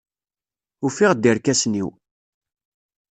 Ufiɣ-d irkasen-iw.